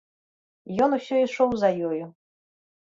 Ён усё ішоў за ёю.